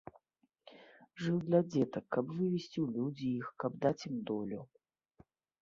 Жыў для дзетак, каб вывесці ў людзі іх, каб даць ім долю.